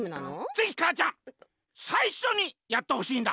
ぜひかあちゃんさいしょにやってほしいんだ！